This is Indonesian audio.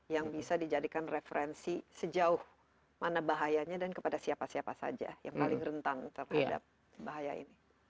yang bisa dijadikan referensi sejauh mana bahayanya dan kepada siapa siapa saja yang paling rentan terhadap bahaya ini